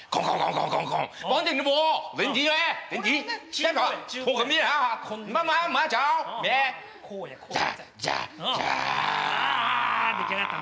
あ出来上がった。